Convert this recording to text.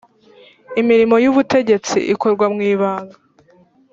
imirimo y ‘ubutegetsi ikorwa mwibanga .